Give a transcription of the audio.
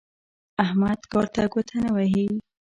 احمد کار ته ګوته نه وهي.